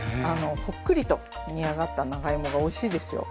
ほっくりと煮上がった長芋がおいしいですよ。